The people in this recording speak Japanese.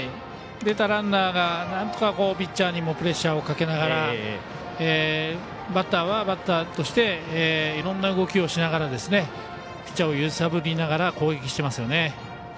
出たランナーがなんとか、ピッチャーにもプレッシャーをかけながらバッターはバッターとしていろんな動きをしながらピッチャーを揺さぶりながら攻撃していますよね。